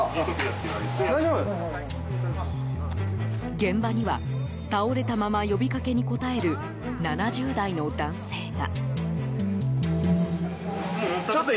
現場には倒れたまま呼びかけに応える７０代の男性が。